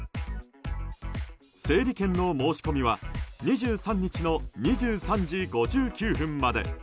整理券の申し込みは２３日の２３時５９分まで。